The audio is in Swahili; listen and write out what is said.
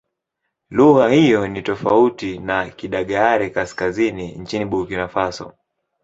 Lugha hiyo ni tofauti na Kidagaare-Kaskazini nchini Burkina Faso.